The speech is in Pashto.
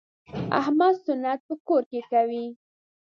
احمد سنت په کور کې کوي.